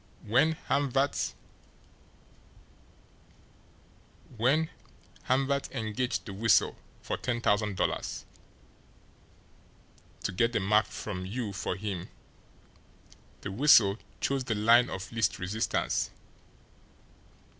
When Hamvert engaged the Weasel for ten thousand dollars to get the map from you for him, the Weasel chose the line of least resistance.